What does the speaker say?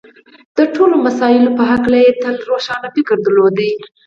د ټولو مسألو په هکله یې تل روښانه فکر درلود